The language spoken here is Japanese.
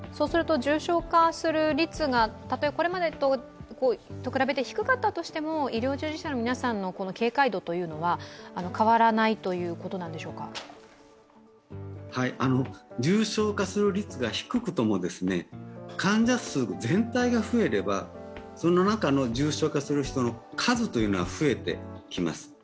重症化する率が、これまでと比べて低かったとしても、医療従事者の皆さんの警戒度というのは、変わらないということでしょうか重症化する率が低くとも患者数全体が増えれば、その中の重症化する人の数は増えてきます。